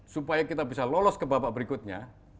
supaya kita bisa lolos ke babak berikutnya